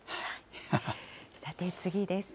さて、次です。